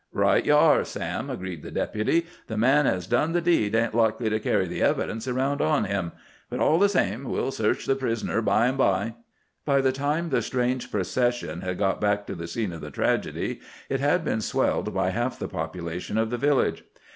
"Right ye are, Sam," agreed the Deputy. "The man as done the deed ain't likely to carry the evidence around on him. But all the same we'll search the prisoner bime by." By the time the strange procession had got back to the scene of the tragedy it had been swelled by half the population of the village.